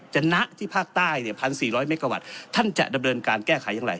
จะนะที่ภาคใต้เนี้ยพันสี่ร้อยเมกะวัตต์ท่านจะดำเนินการแก้ไขอย่างไร